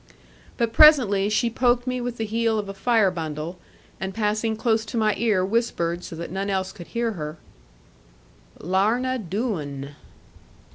But presently she poked me with the heel of a fire bundle, and passing close to my ear whispered, so that none else could hear her, 'Larna Doo un.'